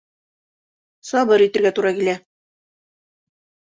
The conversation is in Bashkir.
Сабыр итергә тура килә.